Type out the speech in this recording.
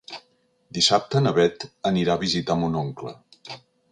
Dissabte na Beth anirà a visitar mon oncle.